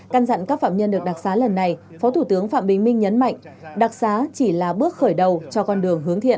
căn dặn các phạm nhân được đặc xá lần này phó thủ tướng phạm bình minh nhấn mạnh đặc xá chỉ là bước khởi đầu cho con đường hướng thiện